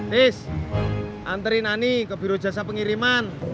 nis anterin ani ke birojasa pengiriman